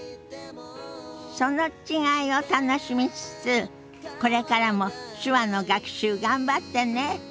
その違いを楽しみつつこれからも手話の学習頑張ってね。